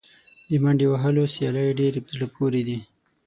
د منډې وهلو سیالۍ ډېرې په زړه پورې دي.